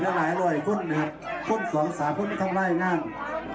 คนเป็นหลายอร่อยคนครับคนสองสามคนมีคำไล่ในงาน